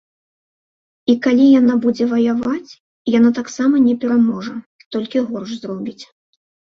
І калі яна будзе ваяваць, яна таксама не пераможа, толькі горш зробіць.